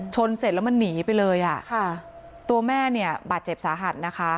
ชนเสร็จแล้วมันหนีไปเลยตัวแม่บาดเจ็บสาหัสนะคะ